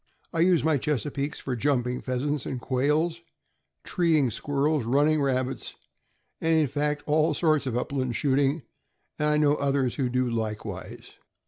I use my Chesapeakes for jumping pheasants and quails, treeing squirrels, running rabbits, and in fact all sorts of upland shooting, and I know others who do likewise.